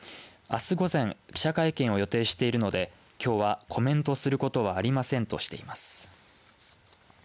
あす午前、記者会見を予定しているのできょうはコメントすることはありませんとしています。